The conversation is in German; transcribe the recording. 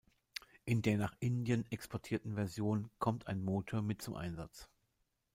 In der nach Indien exportierten Version kommt ein Motor mit zum Einsatz.